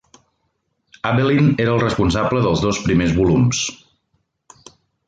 Abelin era el responsable dels dos primers volums.